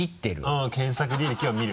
うん検索履歴を見る。